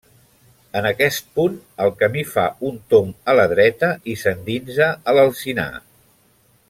En aquest punt, el camí fa un tomb a la dreta i s'endinsa a l'alzinar.